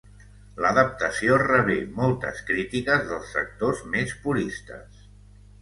L'adaptació rebé moltes crítiques dels sectors més puristes.